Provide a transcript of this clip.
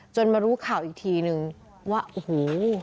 มารู้ข่าวอีกทีนึงว่าโอ้โห